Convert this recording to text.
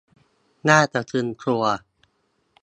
น่าสะพรึงกลัว